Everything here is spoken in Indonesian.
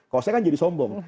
kalau saya kan jadi sombong